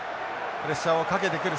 プレッシャーをかけてくる。